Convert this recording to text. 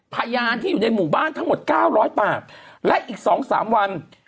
พยานที่อยู่ในหมู่บ้านทั้งหมดเก้าร้อยปากและอีกสองสามวัน